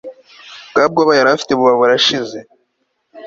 bwa bwoba yari afite buba burashize